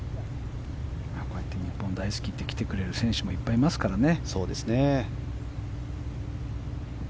日本大好きと来てくれる選手も、いっぱいいますからね。